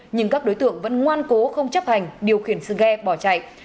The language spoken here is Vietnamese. nhưng các đối tượng vẫn ngoan cố không chấp hành điều khiển sự ghe bỏ chạy